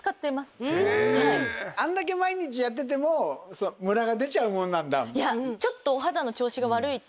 あんだけ毎日やっててもむらが出ちゃうもんなんだ。